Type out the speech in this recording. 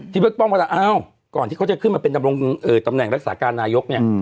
เบิ๊กป้องเวลาอ้าวก่อนที่เขาจะขึ้นมาเป็นดำรงตำแหน่งรักษาการนายกเนี่ย